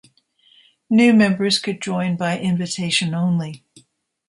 New members could join by invitation only.